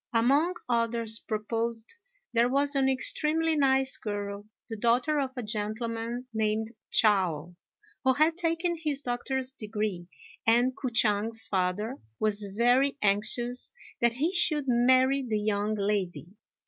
Among others proposed there was an extremely nice girl, the daughter of a gentleman named Chao, who had taken his doctor's degree, and K'o ch'ang's father was very anxious that he should marry the young lady.